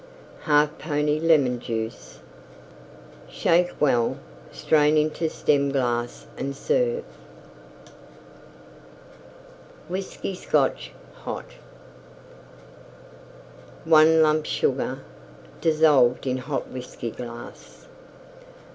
1/2 pony Lemon Juice. Shake well; strain into Stem glass and serve. WHISKEY SCOTCH HOT 1 lump Sugar dissolved in Hot Whiskey glass.